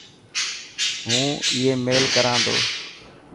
هون آي ميل ڪران تو.